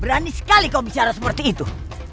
berani sekali kau bicara seperti itu